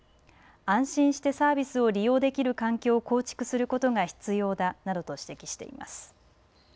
安心してサービスを利用できる環境を構築することが必要だなどと指摘しています。